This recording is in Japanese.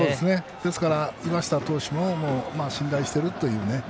ですから、岩下投手も信頼しているという。